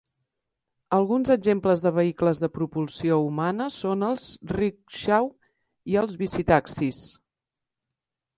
Alguns exemples de vehicles de propulsió humana són els rickshaw i els bicitaxis.